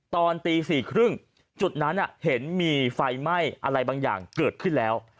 ตอนตี๔๓๐จุดนั้นเห็นมีไฟไหม้อะไรบางอย่างเกิดขึ้นแล้ว